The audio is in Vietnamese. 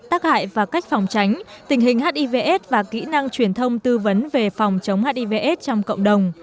tắc hại và cách phòng tránh tình hình hiv s và kỹ năng truyền thông tư vấn về phòng chống hiv s trong cộng đồng